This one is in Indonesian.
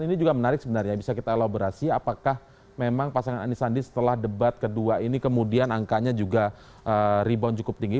ini juga menarik sebenarnya bisa kita elaborasi apakah memang pasangan anisandi setelah debat kedua ini kemudian angkanya juga rebound cukup tinggi